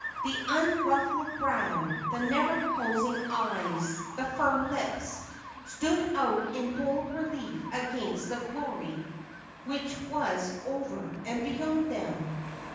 The unruffled brow, the never closing eyes, the firm lips, stood out in bold relief against the glory which was over and beyond them.